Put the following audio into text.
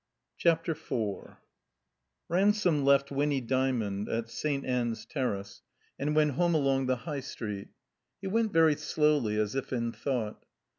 CHAPTER IV RANSOME left Winny Dymond at St. Ann's Terrace, and went home along the High Street. He went very slowly, as if in thought.